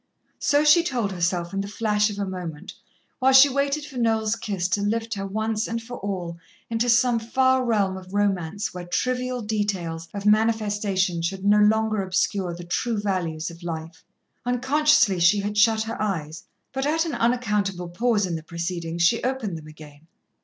So she told herself in the flash of a moment, while she waited for Noel's kiss to lift her once and for all into some far realm of romance where trivial details of manifestation should no longer obscure the true values of life. Unconsciously, she had shut her eyes, but at an unaccountable pause in the proceedings, she opened them again.